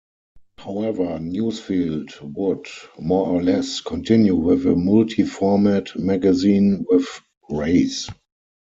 However Newsfield would, more or less, continue with a multi format magazine with "Raze".